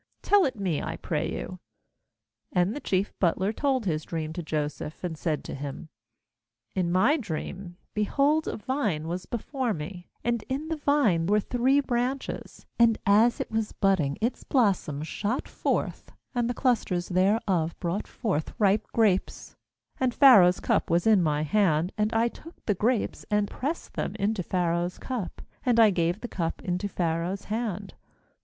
tell it me, I pray you.' 9And the chief butler told his dream to Joseph, and said to him: 'In my dream, behold, a vine was before me; 10and in the vine were three branches; and as it was budding, its blossoms shot forth, and the clus ters thereof brought forth ripe grapes; uand Pharaoh's cup was in my hand: and I took the grapes, and pressed them into Pharaoh's cup, and I gave the cup into Pharaoh's hand.'